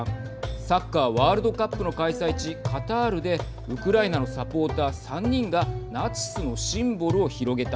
サッカーワールドカップの開催地カタールでウクライナのサポーター３人がナチスのシンボルを広げた。